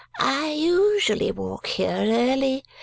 I usually walk here early.